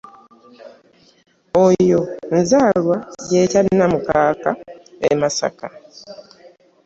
Oyo nzaalwa y’e Kyannamukaaka e Masaka.